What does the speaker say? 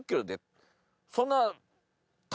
そんな。